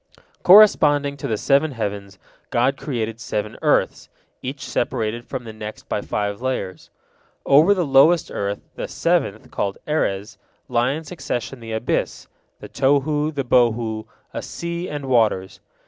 Corresponding to the seven heavens, God created seven earths, each separated from the next by five layers. Over the lowest earth, the seventh, called Erez, lie in succession the abyss, the Tohu, the Bohu, a sea, and waters.